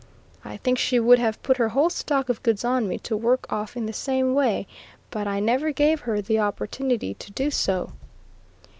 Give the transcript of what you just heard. I think she would have put her whole stock of goods on me to work off in the same way; but I never gave her the opportunity to do so.